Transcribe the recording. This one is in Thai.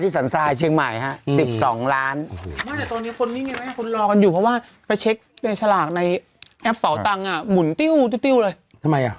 ที่สันซายเชียงใหม่ฮะอือสิบสองล้านไม่แต่ตอนนี้คนนี้ไงไร